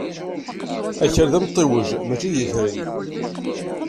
Akal d amtiweg, maci d itri.